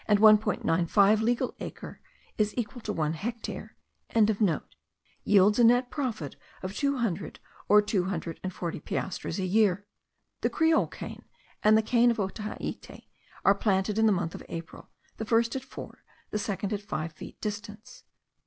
95 legal acre is equal to one hectare.) yields a net profit of two hundred or two hundred and forty piastres a year. The creole cane and the cane of Otaheite* are planted in the month of April, the first at four, the second at five feet distance.